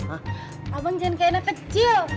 abang jangan kayak anak kecil